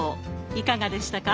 いかがでしたか？